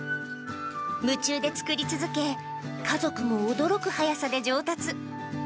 夢中で作り続け、家族も驚く速さで上達。